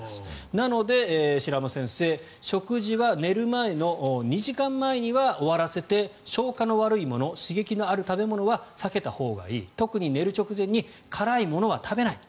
なので、白濱先生食事は寝る前の２時間前には終わらせて消化の悪いもの刺激のある食べ物は避けたほうがいい特に寝る直前に辛いものは食べないと。